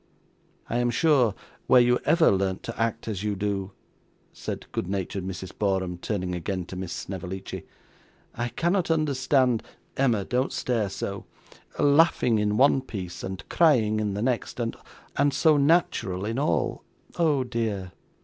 'I am sure, where you ever learnt to act as you do,' said good natured Mrs. Borum, turning again to Miss Snevellicci, 'I cannot understand (Emma, don't stare so); laughing in one piece, and crying in the next, and so natural in all oh, dear!